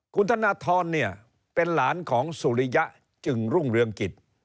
คุณธนทรเนี่ยเป็นหลานของสุริยะจึงรุ่งเรืองกิจ